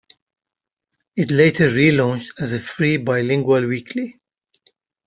It later relaunched as a free bilingual weekly.